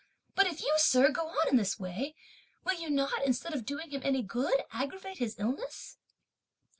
But if you, sir, go on in this way, will you not, instead of doing him any good, aggravate his illness?"